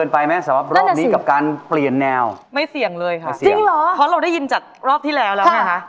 เพราะว่าได้ยินจากรอบที่แล้วนะคะ